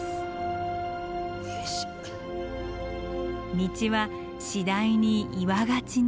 道は次第に岩がちに。